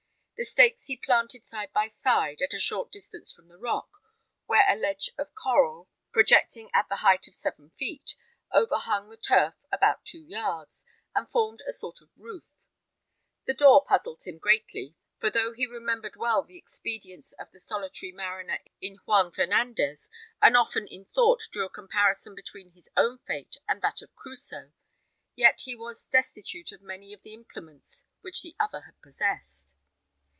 The stakes he planted side by side, at a short distance from the rock, where a ledge of coral, projecting at the height of seven feet, overhung the turf about two yards, and formed a sort of roof. The door puzzled him greatly; for though he remembered well the expedients of the solitary mariner in Juan Fernandez, and often in thought drew a comparison between his own fate and that of Crusoe, yet he was destitute of many of the implements which the other had possessed.